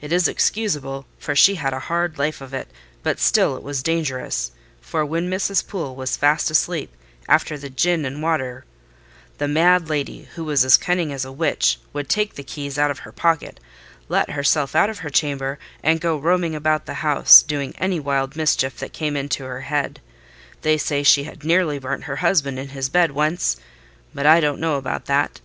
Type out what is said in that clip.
It is excusable, for she had a hard life of it: but still it was dangerous; for when Mrs. Poole was fast asleep after the gin and water, the mad lady, who was as cunning as a witch, would take the keys out of her pocket, let herself out of her chamber, and go roaming about the house, doing any wild mischief that came into her head. They say she had nearly burnt her husband in his bed once: but I don't know about that.